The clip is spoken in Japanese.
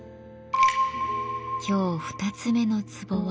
今日２つ目の壺は